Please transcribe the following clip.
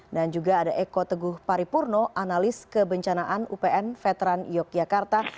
dan juga ada eko teguh paripurno analis kebencanaan upn veteran yogyakarta